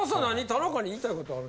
田中に言いたいことある。